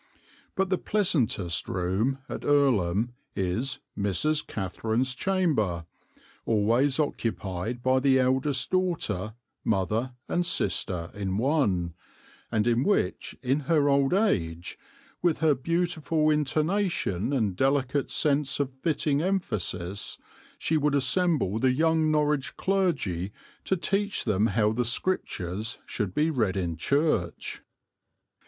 But the pleasantest room at Earlham is 'Mrs. Catherine's Chamber,' always occupied by the eldest daughter, mother and sister in one, and in which in her old age, with her beautiful intonation and delicate sense of fitting emphasis, she would assemble the young Norwich clergy to teach them how the Scriptures should be read in church."